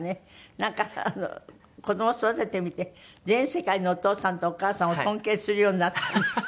なんかあの子ども育ててみて全世界のお父さんとお母さんを尊敬するようになったんですって？